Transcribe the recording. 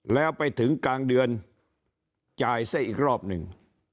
แล้วไปถึงกลางเดือนจ่ายซะอีกรอบหนึ่ง